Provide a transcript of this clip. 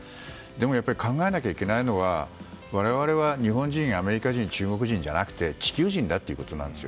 でも、考えなきゃいけないのは我々は日本人、アメリカ人中国人ではなくて地球人だということです。